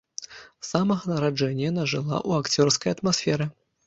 З самага нараджэння яна жыла ў акцёрскай атмасферы.